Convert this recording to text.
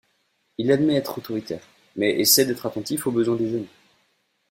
Il admet être autoritaire, mais essaie d'être attentif aux besoins des jeunes.